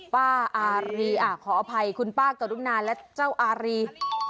ป้าอารีขออภัยคุณป้ากรุณาและเจ้าอารี